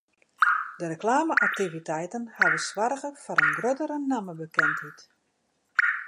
De reklame-aktiviteiten hawwe soarge foar in gruttere nammebekendheid.